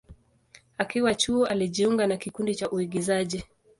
Akiwa chuo, alijiunga na kikundi cha uigizaji.